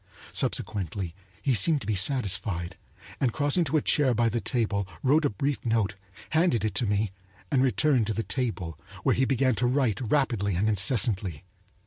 Subsequently he seemed to be satisfied, and crossing to a chair by the table wrote a brief note, handed it to me, and returned to the table, where he began to write rapidly and incessantly.